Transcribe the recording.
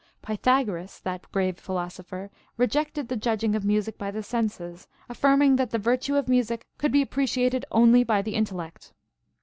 * Pythagoras, that grave philosopher, rejected the judging of music by the senses, affirming that the virtue of music could be appre ciated only by the intellect.